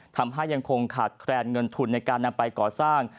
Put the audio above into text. ยังคงขาดแคลนเงินทุนในการนำไปก่อสร้าง